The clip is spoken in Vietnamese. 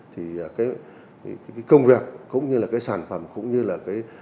thì công việc cũng như là sản phẩm cũng như là